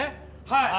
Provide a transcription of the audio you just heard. はい。